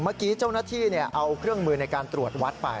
เจ้าหน้าที่เอาเครื่องมือในการตรวจวัดไป